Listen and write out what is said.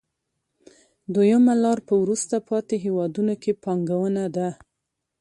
دویمه لار په وروسته پاتې هېوادونو کې پانګونه ده